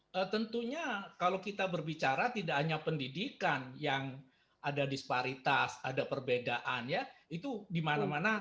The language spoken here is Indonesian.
karena kalau kita berbicara tidak hanya pendidikan yang ada disparitas ada perbedaan ya itu dimana mana